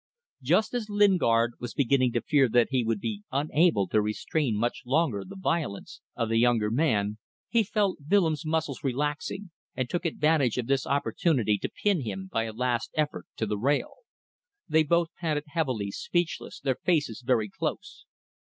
Just as Lingard was beginning to fear that he would be unable to restrain much longer the violence of the younger man, he felt Willems' muscles relaxing, and took advantage of this opportunity to pin him, by a last effort, to the rail. They both panted heavily, speechless, their faces very close.